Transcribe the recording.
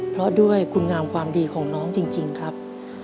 เพราะด้วยคุณงามความดีของน้องจริงครับ